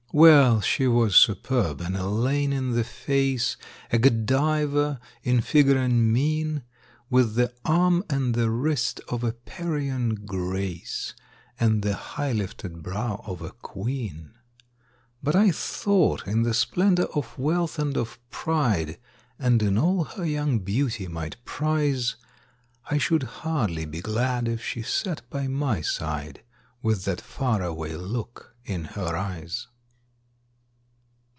Well, she was superb an Elaine in the face, A Godiva in figure and mien, With the arm and the wrist of a Parian "Grace," And the high lifted brow of a queen; But I thought, in the splendor of wealth and of pride, And in all her young beauty might prize, I should hardly be glad if she sat by my side With that far away look in her eyes.